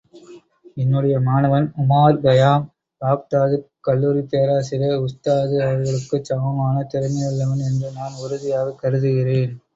என்னுடைய மாணவன் உமார்கயாம் பாக்தாதுக் கல்லூரிப் பேராசிரியர் உஸ்தாது அவர்களுக்குச் சமமான திறமையுள்ளவன் என்று நான் உறுதியாகக் கருதுகிறேன்.